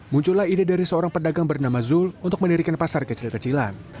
muncullah ide dari seorang pedagang bernama zul untuk mendirikan pasar kecil kecilan